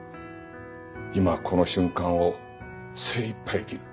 今この瞬間を精いっぱい生きる。